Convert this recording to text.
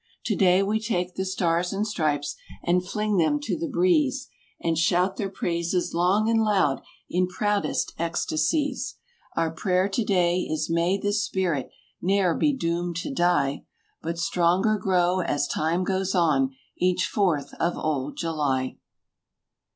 Today we take the "Stars and Stripes" and fling them to the breeze And shout their praises long and loud in proudest ecstacies— Our prayer today is may this spirit ne'er be doomed to die But stronger grow as time goes on each Fourth of old July.